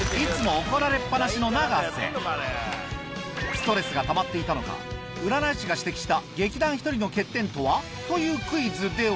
ストレスがたまっていたのか「占い師が指摘した劇団ひとりの欠点とは？」というクイズでは